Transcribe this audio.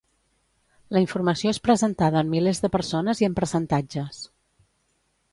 La informació és presentada en milers de persones i en percentatges.